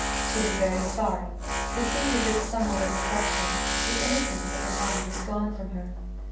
She was very sorry; it seemed as if somewhat of the freshness, the innocence, of her mind was gone from her.